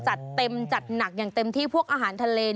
จัดเต็มจัดหนักอย่างเต็มที่พวกอาหารทะเล